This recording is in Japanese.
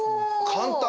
簡単。